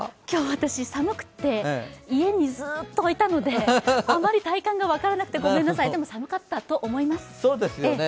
今日、私、寒くて家にずっといたのであまり体感が分からなくて、ごめんなさい、寒かったと思います。